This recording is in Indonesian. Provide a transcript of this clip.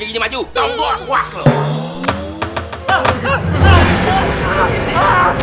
ini alat aime